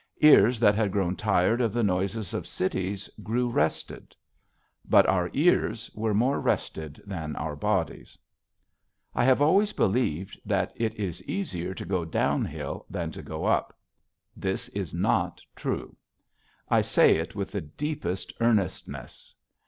Ears that had grown tired of the noises of cities grew rested. But our ears were more rested than our bodies. I have always believed that it is easier to go downhill than to go up. This is not true. I say it with the deepest earnestness.